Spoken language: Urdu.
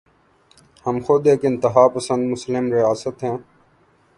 ہم خود ایک انتہا پسند مسلم ریاست ہیں۔